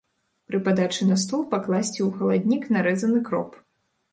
Пры падачы на стол пакласці ў халаднік нарэзаны кроп.